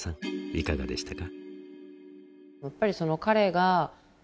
いかがでしたか？